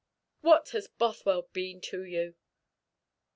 What has Bothwell been to you?"